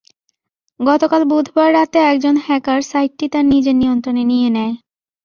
গতকাল বুধবার রাতে একজন হ্যাকার সাইটটি তাঁর নিজের নিয়ন্ত্রণে নিয়ে নেয়।